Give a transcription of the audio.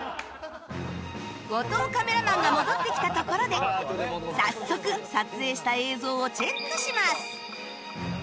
後藤カメラマンが戻ってきたところで早速撮影した映像をチェックします